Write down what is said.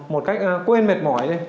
một cách quên mệt mỏi